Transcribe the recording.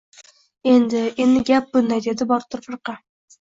— Endi... Endi, gap bunday, — dedi Botir firqa.